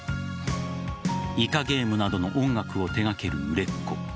「イカゲーム」などの音楽を手掛ける売れっ子。